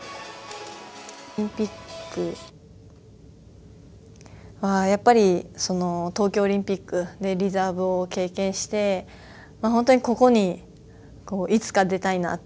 オリンピックはやっぱり東京オリンピックでリザーブを経験して本当に、ここにいつか出たいなって。